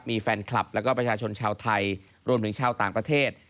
มีแฟนคลับแล้วก็ประชาชนชาวไทยรวมถึงชาวต่างประเทศ